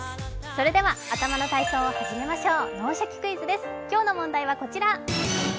それでは頭の体操を始めましょう。